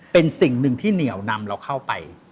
เป็นสิ่งหนึ่งที่เหนียวนำเราเข้าไป